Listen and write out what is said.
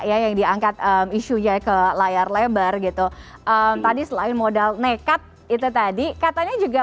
ya yang diangkat isunya ke layar lebar gitu tadi selain modal nekat itu tadi katanya juga